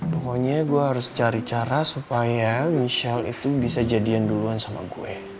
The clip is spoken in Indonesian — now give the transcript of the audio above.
pokoknya gue harus cari cara supaya michelle itu bisa jadian duluan sama gue